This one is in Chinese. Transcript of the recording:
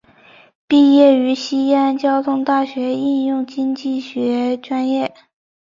毕业于西安交通大学应用经济学专业。